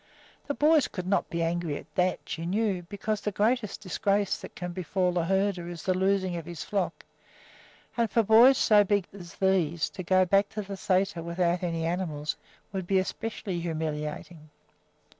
The boys could not be angry at that, she knew, because the greatest disgrace that can befall a herder is the losing of his flock, and for boys so big as these to go back to the sæter without any animals would be especially humiliating.